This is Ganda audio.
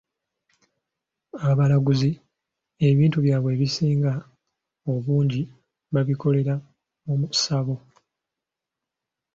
Abalaguzi, ebintu byabwe ebisinga obungi babikolera mu ssabo.